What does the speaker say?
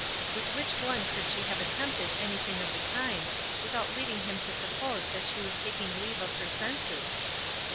With which one could she have attempted any thing of the kind, without leading him to suppose that she was taking leave of her senses?